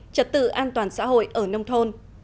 trật tự an toàn xã hội ở nông thôn